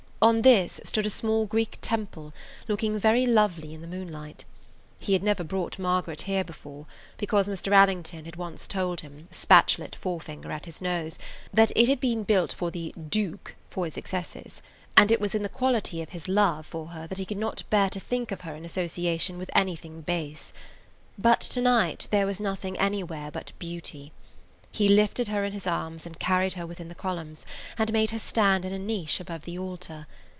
On this stood a small Greek temple, looking very lovely in the moonlight. He had never brought Margaret here before, because Mr Allington had once told him, spatulate forefinger at his nose, that it had been built for the "dook" for his excesses, and it was in the quality of his love for her that he could not bear to think of her in association with anything base. But tonight there was nothing anywhere but beauty. He lifted her in his arms and carried her within the columns, and made her stand in a niche above the altar.